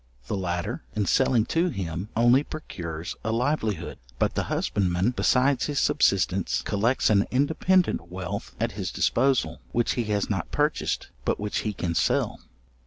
The latter, in selling to him, only procures a livelihood; but the husbandman, besides his subsistence, collects an independent wealth at his disposal, which he has not purchased, but which he can sell.